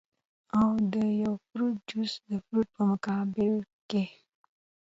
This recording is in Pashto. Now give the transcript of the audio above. او د يو فروټ جوس د فروټ پۀ مقابله کښې